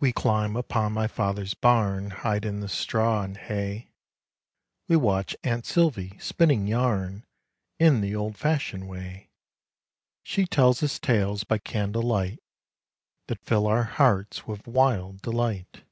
We climb upon my father's barn, Hide in the straw and hay; We watch aunt "Silvy" spinning yarn In the old fashioned way. She tells us tales by candle light, That fill our hearts with wild delight.